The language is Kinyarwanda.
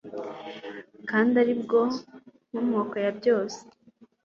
kandi ari bwo nkomoko ya byose